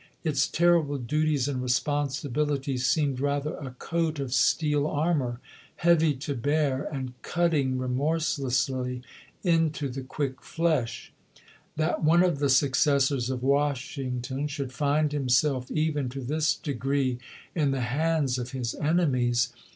Its terrible duties and responsibilities seemed rather a coat of steel armor, heavy to bear, and cutting remorselessly into the quick flesh. That one of the successors of Washington should find himself even to this degree in the hands of his enemies 152 ABEAHAM LINCOLN Chap. VII.